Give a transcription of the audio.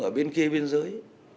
ở bên kia bên dưới